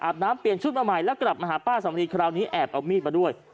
น้ำเปลี่ยนชุดมาใหม่แล้วกลับมาหาป้าสำลีคราวนี้แอบเอามีดมาด้วย